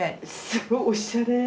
すごいおしゃれ。